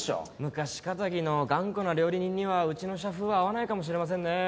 昔気質の頑固な料理人にはうちの社風は合わないかもしれませんねえ。